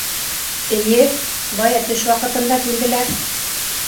— Эйе, бая төш ваҡытында килделәр.